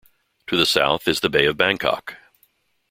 To the south is the Bay of Bangkok.